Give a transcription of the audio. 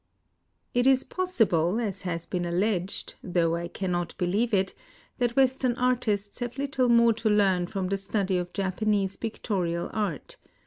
It is possible, as has been alleged (though I cannot believe it), that Western artists have little more to learn from the study of Japanese pictorial art.